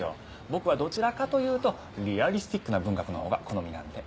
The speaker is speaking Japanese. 僕はどちらかというとリアリスティックな文学のほうが好みなんで。